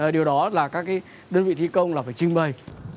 điều đó là các đơn vị thi công là phải trình bày